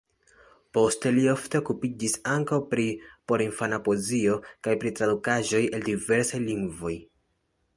Poste li ofte okupiĝis ankaŭ pri porinfana poezio kaj pri tradukaĵoj el diversaj lingvoj.